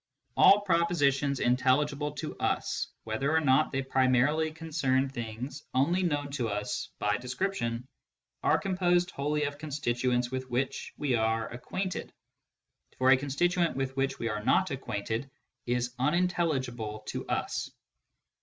All propositions intelligible to us, whether or not they primarily concern things only known to us by description, are composed wholly of constituents with which we are acquainted, for a constituent with which we are not acquainted is unintelligible to us.